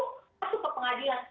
masuk ke pengadilan